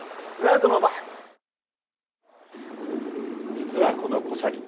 実は、このコシャリ。